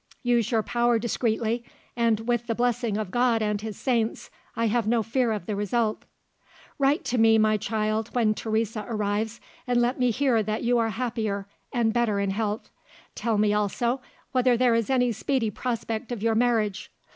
Use your power discreetly; and, with the blessing of God and his Saints, I have no fear of the result. "Write to me, my child, when Teresa arrives and let me hear that you are happier, and better in health. Tell me also, whether there is any speedy prospect of your marriage.